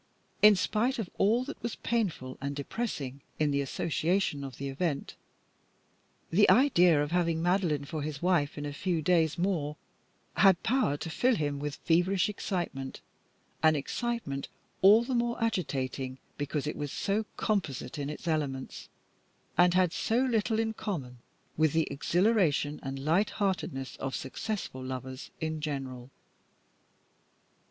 In spite of all that was painful and depressing in the associations of the event, the idea of having Madeline for his wife in a few days more had power to fill him with feverish excitement, an excitement all the more agitating because it was so composite in its elements, and had so little in common with the exhilaration and light heartedness of successful lovers in general.